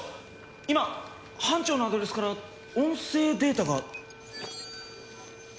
今班長のアドレスから音声データが。